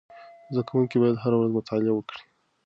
زده کوونکي باید هره ورځ مطالعه وکړي.